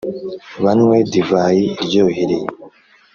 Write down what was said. banywe divayi iryohereye,